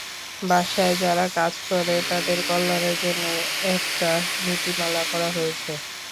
বাসায় যারা কাজ করে, তাদের কল্যাণের জন্য একটা নীতিমালা করা হয়েছে।